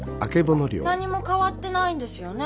何も変わってないんですよね